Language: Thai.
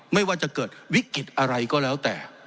ไม่ว่าจะเกิดวิกฤตอะไรก็แล้วแต่